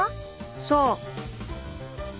「そう！」。